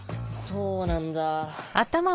そうなんだ。